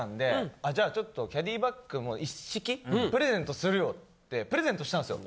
あっじゃあちょっとキャディーバッグも一式プレゼントするよってプレゼントしたんですよ。